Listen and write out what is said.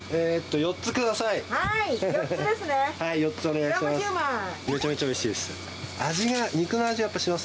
４つお願いします。